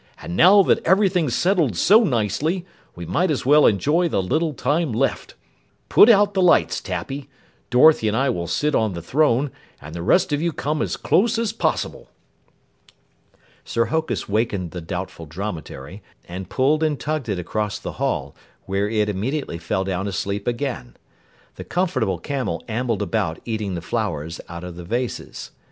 "And now that everything's settled so nicely, we might as well enjoy the little time left. Put out the lights, Tappy. Dorothy and I will sit on the throne, and the rest of you come as close as possible." Sir Hokus wakened the Doubtful Dromedary and pulled and tugged it across the hall, where it immediately fell down asleep again. The Comfortable Camel ambled about eating the flowers out of the vases.